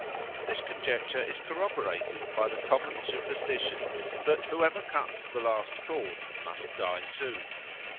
This conjecture is corroborated by the common superstition that whoever cuts the last corn must die soon.